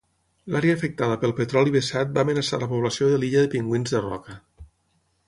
L'àrea afectada pel petroli vessat va amenaçar la població de l'illa de pingüins de roca.